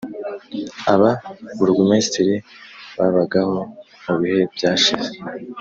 Aba burugumesitiri babagaho mubihe byashize